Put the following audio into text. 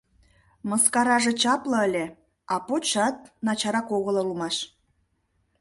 — Мыскараже чапле ыле, а почшат начарак огыл улмаш!